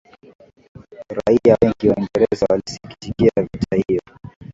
raia wengi wa uingereza walisikitikia vita hiyo